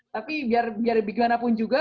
tapi biar bagaimanapun juga